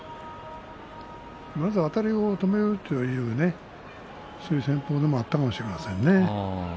まずあたりを止めるというそういう戦法でもあったかもしれませんね。